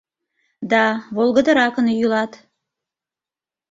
— Да, волгыдыракын йӱлат.